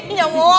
ini yang mau